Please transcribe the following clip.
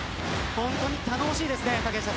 本当にたのもしいです。